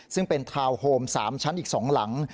ซึ่งเป็นทาวน์โฮม๓ชั้นอีก๒หลัง